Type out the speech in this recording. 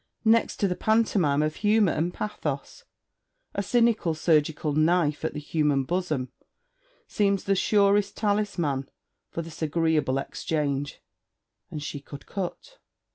Next to the pantomime of Humour and Pathos, a cynical surgical knife at the human bosom seems the surest talisman for this agreeable exchange; and she could cut.